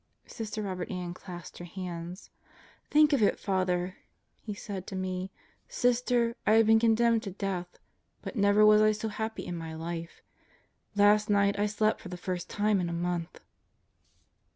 Sister Robert Ann clasped her hands. "Think of it, Father! He said to me: 'Sister, I have been condemned to death, but never was I so happy in my life. ... Last night I slept for the first time in a month!'